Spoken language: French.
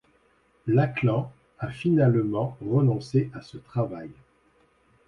Lachlan a finalement renoncé à ce travail.